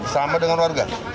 sama dengan warga